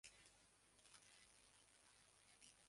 তিনি ভবিষ্যতবাণী করে গিয়েছিলেন।